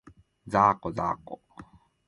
ざーこ、ざーこ